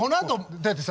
だってさ